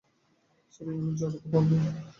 Sorry, আমি জড়াতে পারবো না।